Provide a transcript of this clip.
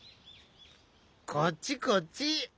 こっちこっち！